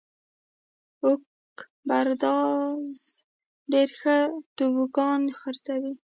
اوک برادرز ډېر ښه توبوګان خرڅوي.